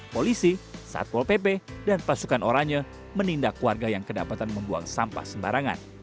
polisi satpol pp dan pasukan oranye menindak warga yang kedapatan membuang sampah sembarangan